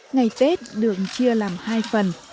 ngày tết đường chia làm hai phần